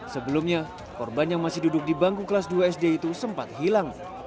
sebelumnya korban yang masih duduk di bangku kelas dua sd itu sempat hilang